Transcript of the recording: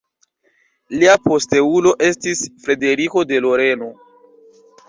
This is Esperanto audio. Lia posteulo estis Frederiko de Loreno.